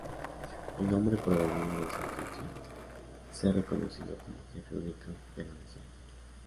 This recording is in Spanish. El nombre provenía de su intención ser reconocido como Jefe Único de la Nación.